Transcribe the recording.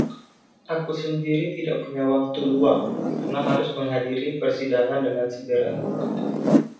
Aku sendiri tidak punya waktu luang, karena harus menghadiri persidangan dengan segera.